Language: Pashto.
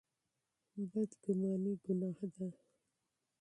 بدګماني ګناه ده.